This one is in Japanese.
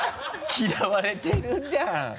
嫌われてるじゃん。